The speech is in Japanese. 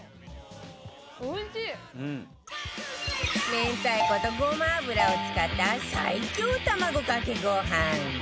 明太子とごま油を使った最強卵かけご飯